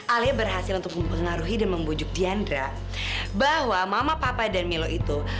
alia berhasil untuk mempengaruhi dan membujuk diandra bahwa mama papa dan milo itu